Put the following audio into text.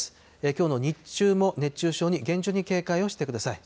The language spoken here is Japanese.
きょうの日中も熱中症に厳重に警戒をしてください。